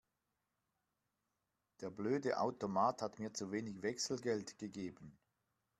Der blöde Automat hat mir zu wenig Wechselgeld gegeben.